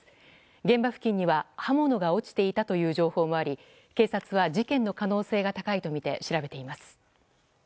現場付近には、刃物が落ちていたという情報もあり警察は事件の可能性が高いとみて調べています。